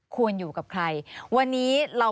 ควิทยาลัยเชียร์สวัสดีครับ